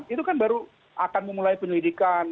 itu kan baru akan memulai penyelidikan